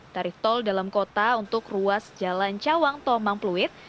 tarif tol dalam kota untuk ruas jalan cawang tomang pluit